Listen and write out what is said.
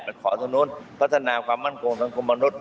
แต่ขอถนนพัฒนาความอ้ำกงทางกรมมนุษย์